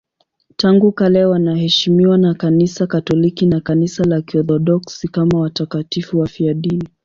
Tangu kale wanaheshimiwa na Kanisa Katoliki na Kanisa la Kiorthodoksi kama watakatifu wafiadini.